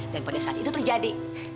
dan pada saat itu terjadi